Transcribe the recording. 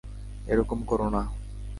এরকম করো না!